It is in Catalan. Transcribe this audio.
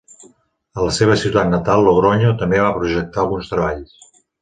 A la seva ciutat natal, Logronyo, també va projectar alguns treballs.